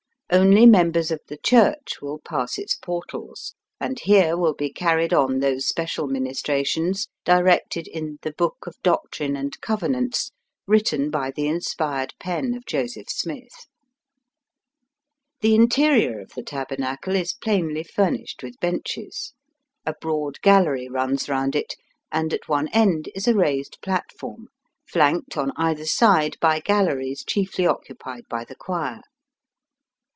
Only members of the Church will pass its portals, and here will be carried on those special ministrations directed in " The Book of Doctrine and Covenants," written by the inspired pen of Joseph Smith. The interior of the Taber nacle is plainly furnished with benches; a 'broad gallery runs round it, and at one end is a raised platform, flanked on either side by galleries chiefly occupied by the choir.